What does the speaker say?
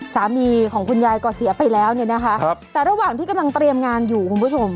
สามีของคุณยายก็เสียไปแล้วเนี่ยนะคะแต่ระหว่างที่กำลังเตรียมงานอยู่คุณผู้ชม